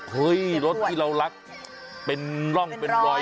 เฮ้ยรถที่เรารักเป็นร่องเป็นรอย